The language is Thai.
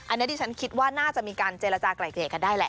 อันนี้ที่ฉันคิดว่าน่าจะมีการเจรจากลายเกลี่ยกันได้แหละ